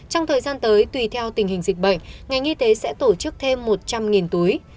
trong thời gian tới tùy theo tình hình dịch bệnh ngành y tế sẽ tổ chức thêm một trăm linh túi